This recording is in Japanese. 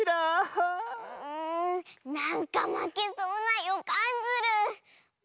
んなんかまけそうなよかんズル。